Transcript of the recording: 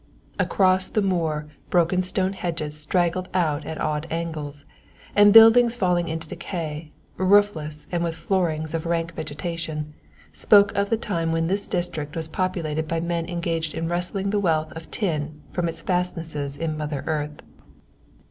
Across the moor broken stone hedges straggled out at odd angles, and buildings falling into decay, roofless and with floorings of rank vegetation, spoke of the time when this district was populated by men engaged in wresting the wealth of tin from its fastnesses in Mother Earth.